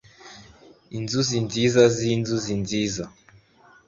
inzozi nziza zinzuzi nziza